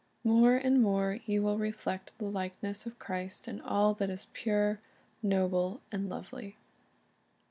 More and more you will reflect the likeness of Christ in all that is pure, noble, and lovely.